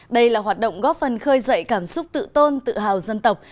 đây là hoạt động góp phần khơi dậy cảm xúc tự tôn tự hào dân tộc